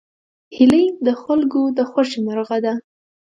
هیلۍ د خلکو د خوښې مرغه ده